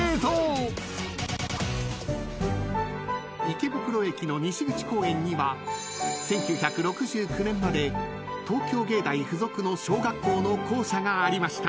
［池袋駅の西口公園には１９６９年まで東京藝大付属の小学校の校舎がありました］